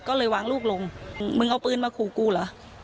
ก็เลยวางลูกลงมึงเอาปืนมาขู่กูเหรอ